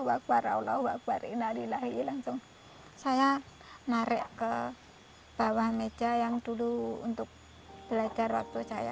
wakbar allah wakbar innalillahi langsung saya narik ke bawah meja yang dulu untuk belajar waktu saya